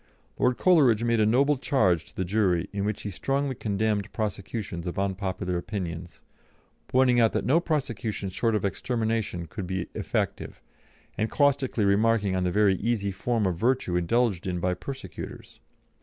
Lord Coleridge made a noble charge to the jury, in which he strongly condemned prosecutions of unpopular opinions, pointing out that no prosecution short of extermination could be effective, and caustically remarking on the very easy form of virtue indulged in by persecutors.